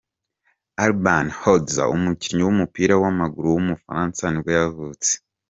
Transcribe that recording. Albin Hodza, umukinnyi w’umupira w’amaguru w’umufaransa nibwo yavutse.